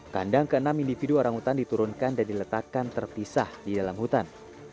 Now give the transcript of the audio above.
kandang keenam individu orang hutan diturunkan dan diletakkan terpisah di dalam hutan